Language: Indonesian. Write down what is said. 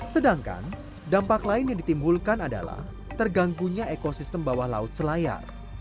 sedangkan dampak lain yang ditimbulkan adalah terganggunya ekosistem bawah laut selayar